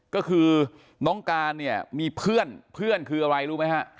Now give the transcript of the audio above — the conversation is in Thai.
ก็คือน้องการเนี่ยมีเพื่อนเพื่อนคืออะไรรู้ไหมฮะ